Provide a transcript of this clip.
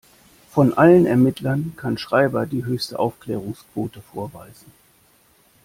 Von allen Ermittlern kann Schreiber die höchste Aufklärungsquote vorweisen.